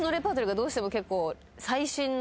どうしても結構。